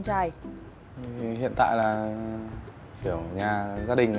còn nếu con quyết định